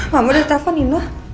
mama udah telepon nino